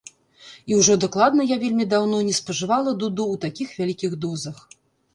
І ўжо дакладна я вельмі даўно не спажывала дуду ў такіх вялікіх дозах.